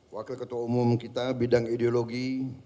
wakil ketua umum kita bidang ideologi